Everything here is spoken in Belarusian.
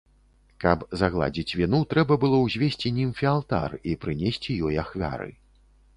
Каб загладзіць віну, трэба было ўзвесці німфе алтар і прынесці ёй ахвяры.